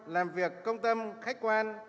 làm việc công tâm khách quan